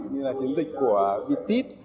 như là chiến dịch của vt